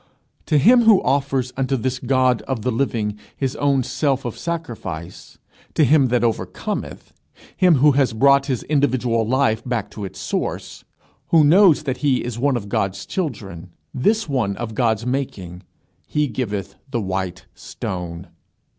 To him who offers unto this God of the living his own self of sacrifice, to him that overcometh, him who has brought his individual life back to its source, who knows that he is one of God's children, this one of the Father's making, he giveth the white stone.